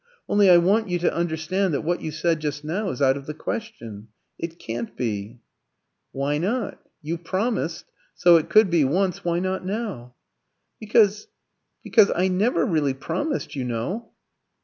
Only I want you to understand that what you said just now is out of the question. It can't be." "Why not? You promised; so it could be once, why not now?" "Because because I never really promised, you know."